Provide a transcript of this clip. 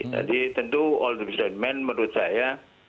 jadi tentu all the president men menurut saya